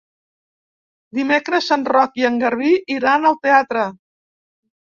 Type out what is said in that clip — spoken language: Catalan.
Dimecres en Roc i en Garbí iran al teatre.